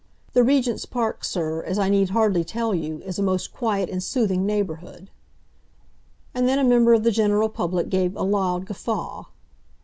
The Regent's Park, sir, as I need hardly tell you, is a most quiet and soothing neighbourhood—" And then a member of the general public gave a loud guffaw.